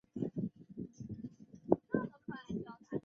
你们搬过去